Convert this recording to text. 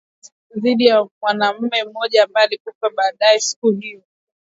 dhidi ya mwanamme mmoja ambaye alikufa baadaye siku hiyo